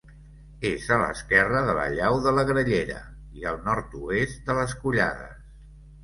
És a l'esquerra de la llau de la Grallera i al nord-oest de les Collades.